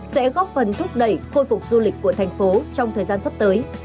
sẽ góp phần thúc đẩy khôi phục du lịch của thành phố trong thời gian sắp tới